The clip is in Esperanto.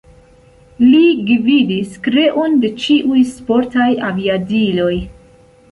Li gvidis kreon de ĉiuj sportaj aviadiloj.